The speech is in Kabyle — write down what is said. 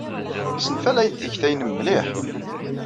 Ssenfalay-d tikta-nnem mliḥ.